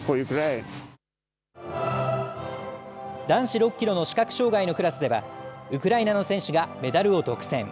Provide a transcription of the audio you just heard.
男子６キロの視覚障害のクラスでは、ウクライナの選手がメダルを独占。